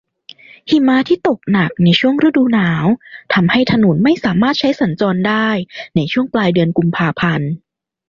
หิมะที่ตกหนักในช่วงฤดูหนาวทำให้ถนนไม่สามารถใช้สัญจรได้ในช่วงปลายเดือนกุมภาพันธ์